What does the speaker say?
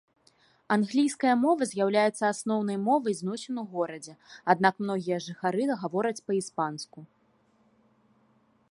Англійская мова з'яўляецца асноўнай мовай зносін у горадзе, аднак многія жыхары гавораць па-іспанску.